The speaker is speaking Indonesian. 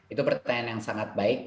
itu pertanyaan yang sangat baik